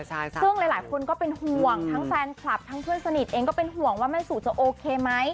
ซึ่งหลายคนก็เป็นห่วงทั้งแฟนคลับทั้งเพื่อนสนิทเองก็เป็นห่วงว่าแม่สุจะโอเคไหม